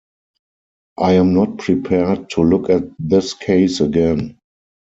I am not prepared to look at this case again.